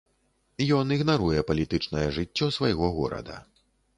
Ён ігнаруе палітычнае жыццё свайго горада.